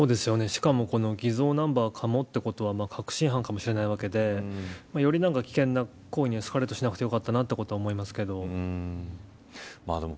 しかも、偽造ナンバーかもということは確信犯かもしれないわけでより危険な行為にエスカレートしなくてよかったなとは思いますけれども。